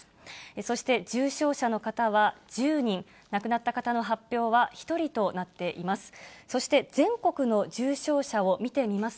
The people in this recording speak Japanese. そして重症者の方は１０人、亡くなった方の発表は１人となっています。